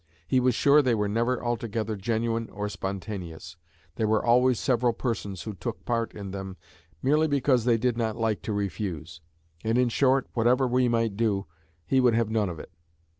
He was sure they were never altogether genuine or spontaneous; there were always several persons who took part in them merely because they did not like to refuse; and, in short, whatever we might do, he would have none of it.